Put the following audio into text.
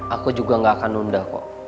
aku juga gak akan nunda kok